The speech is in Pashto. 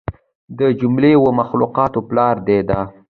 د جمله و مخلوقاتو پلار دى دا.